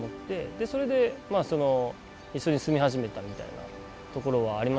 でそれでまあその一緒に住み始めたみたいなところはありましたね。